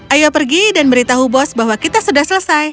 ayo pergi dan beritahu bos bahwa kita sudah selesai